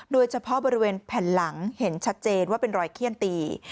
โดยเฉพาะบริเวณแผ่นหลังเห็นชัดเจนว่าเป็นรอยเขี้ยนตี